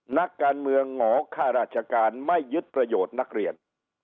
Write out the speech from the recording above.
นักการเมืองหงอค่าราชการไม่ยึดประโยชน์นักเรียน